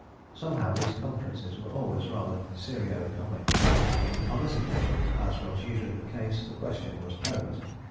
Somehow these conferences were always rather serio comic. On this occasion, as was usually the case, the question was ponies.